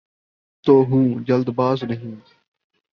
تو ہوں‘ جلد باز نہیں۔